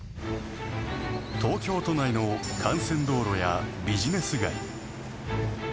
東京都内の幹線道路やビジネス街